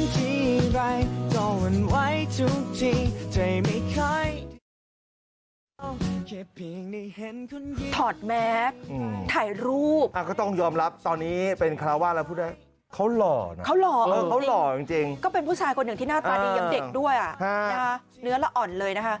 ใจไม่ค่อย